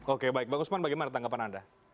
oke baik bang usman bagaimana tanggapan anda